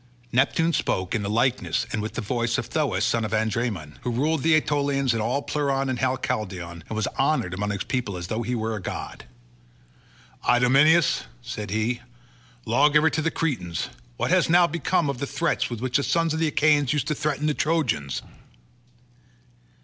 Neptune spoke in the likeness and with the voice of Thoas son of Andraemon who ruled the Aetolians of all Pleuron and high Calydon, and was honoured among his people as though he were a god. "Idomeneus," said he, "lawgiver to the Cretans, what has now become of the threats with which the sons of the Achaeans used to threaten the Trojans?"